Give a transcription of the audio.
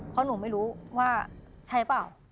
เพราะหนูไม่รู้ว่าใช่เปล่า